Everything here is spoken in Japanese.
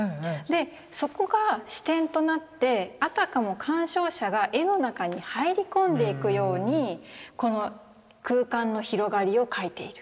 そこが始点となってあたかも鑑賞者が絵の中に入り込んでいくようにこの空間の広がりを描いている。